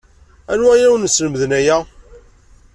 Anwa ay awen-yeslemden aya?